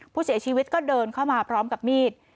ผู้เสียชีวิตก็เดินเข้ามาพร้อมกับมีด